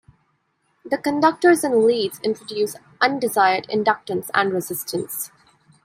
The conductors and leads introduce undesired inductance and resistance.